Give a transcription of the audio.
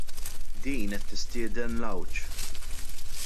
Din qed tistieden l-għawġ!